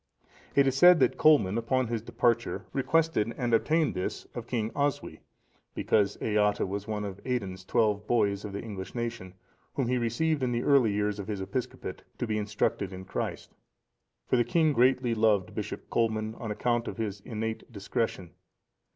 It is said that Colman, upon his departure, requested and obtained this of King Oswy, because Eata was one of Aidan's twelve boys of the English nation,(483) whom he received in the early years of his episcopate, to be instructed in Christ; for the king greatly loved Bishop Colman on account of his innate discretion.